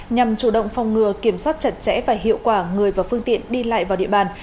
nhằm chủ động phòng ngừa kiểm soát chặt chẽ và hiệu quả người và phương tiện đi lại vào địa bàn